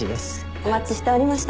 お待ちしておりました。